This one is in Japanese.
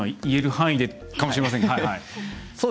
言える範囲でかもしれませんが。